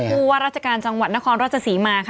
ผู้ว่าราชการจังหวัดนครราชศรีมาค่ะ